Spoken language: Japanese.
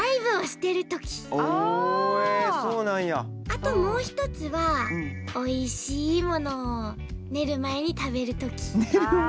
あともう一つはおいしいものを寝る前に食べる時。